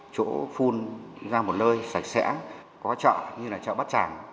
chỗ phun ra một lơi sạch sẽ có chợ như là chợ bắt chẳng